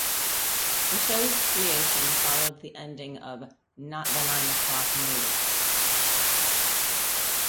The show's creation followed the ending of "Not the Nine O'Clock News".